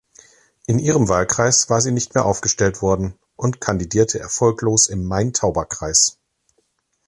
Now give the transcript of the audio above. In ihrem Wahlkreis war sie nicht mehr aufgestellt worden und kandidierte erfolglos im Main-Tauber-Kreis.